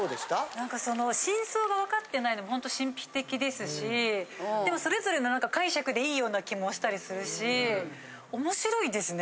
何かその真相がわかってないのもほんと神秘的ですしでもそれぞれの解釈でいいような気もしたりするしおもしろいですね。